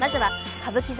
歌舞伎座